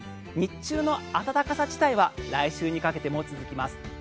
日中の暖かさ自体は来週にかけても続きます。